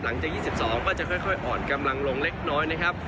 หลังจาก๒๒ก็จะค่อยอ่อนกำลังลงเล็กน้อยนะครับ